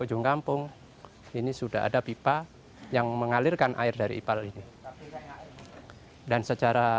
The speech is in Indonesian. ujung kampung ini sudah ada pipa yang mengalirkan air dari ipal ini dan secara